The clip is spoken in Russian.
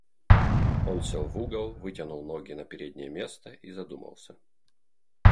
Он сел в угол, вытянул ноги на переднее место и задумался.